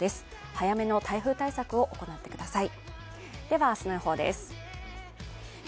早めの台風対策を行ってください。